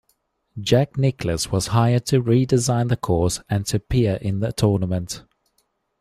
Jack Nicklaus was hired to redesign the course and to appear in the tournament.